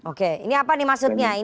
oke ini apa nih maksudnya